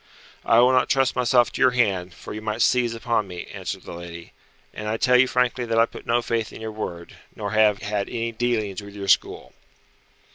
"I will not trust myself to your hand, for you might seize upon me," answered the lady, "and I tell you frankly that I put no faith in your word, nor have had any dealings with your school."